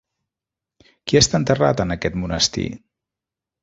Qui està enterrat en aquest monestir?